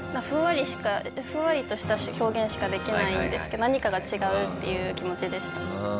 ふんわりとした表現しかできないんですけど何かが違うっていう気持ちでした。